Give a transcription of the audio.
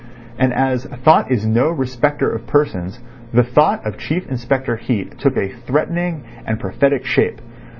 And as thought is no respecter of persons, the thought of Chief Inspector Heat took a threatening and prophetic shape.